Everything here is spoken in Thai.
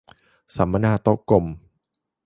สัมมนาโต๊ะกลม